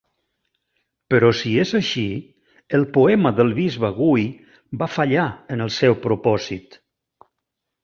Però si és així, el poema del bisbe Guy va fallar en el seu propòsit.